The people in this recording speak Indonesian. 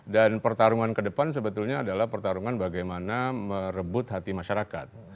dan pertarungan ke depan sebetulnya adalah pertarungan bagaimana merebut hati masyarakat